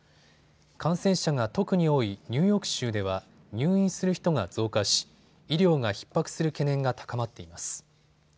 感染者が特に多いニューヨーク州では入院する人が増加し医療がひっ迫する懸念が高まっています。